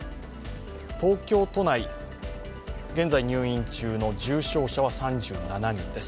東京都内、現在入院中の重症者は３７人です。